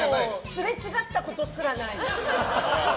すれ違ったことすらない。